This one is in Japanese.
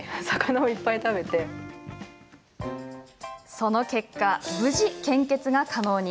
その結果、無事献血が可能に。